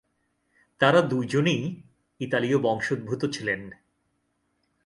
তারা দুজনেই ইতালীয় বংশোদ্ভূত ছিলেন।